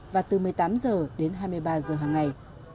và từ một mươi tám h đến hai mươi ba h hàng ngày